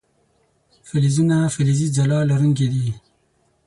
فلزونه فلزي ځلا لرونکي دي.